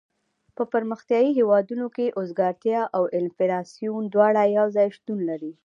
په پرمختیایي هېوادونو کې اوزګارتیا او انفلاسیون دواړه یو ځای شتون لري.